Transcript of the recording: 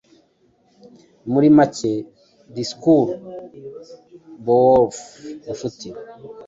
Muri make disikuru Beowulf nshuti